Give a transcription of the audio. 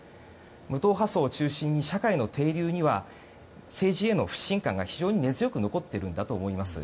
無党派層を中心に社会の底流には政治への不信感が非常に根強く残っているんだと思います。